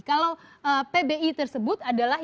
kalau pbi tersebut adalah